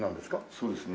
そうですね。